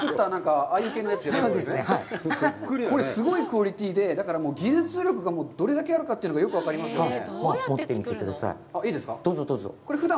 これ、すごいクオリティーで、だから、技術力のどれだけあるのかが、よく分かりますよね。